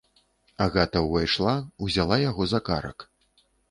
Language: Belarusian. Агата ўвайшла, узяла яго за карак.